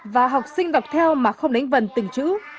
và học sinh gặp theo mà không đánh vần từng chữ